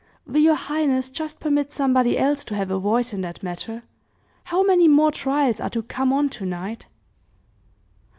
"Will your highness just permit somebody else to have a voice in that matter? How many more trials are to come on tonight?"